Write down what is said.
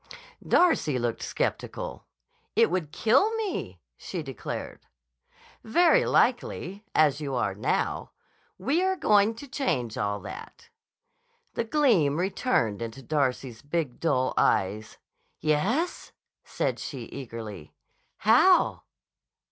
Darcy looked skeptical. "It would kill me," she declared. "Very likely, as you are now. We're going to change all that." The gleam returned into Darcy's big, dull eyes. "Yes?" said she eagerly. "How?"